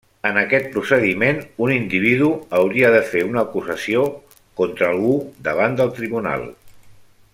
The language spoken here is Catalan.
En aquest procediment, un individu hauria de fer una acusació contra algú davant del tribunal.